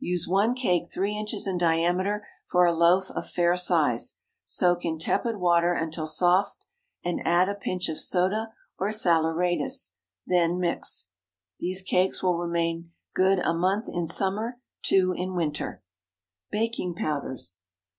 Use one cake three inches in diameter for a loaf of fair size; soak in tepid water until soft, and add a pinch of soda or saleratus, then mix. These cakes will remain good a month in summer, two in winter. BAKING POWDERS.